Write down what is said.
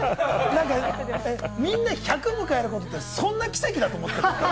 みんな１００回迎えることってそんな奇跡だと思ってるの？